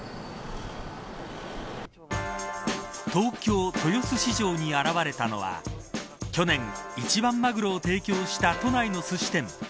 東京、豊洲市場に現れたのは去年、一番マグロ提供した都内のすし店